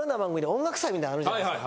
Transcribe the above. みたいなあるじゃないですか。